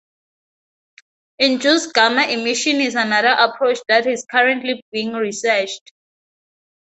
Induced gamma emission is another approach that is currently being researched.